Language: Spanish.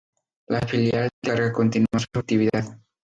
La filial de carga continúa su actividad.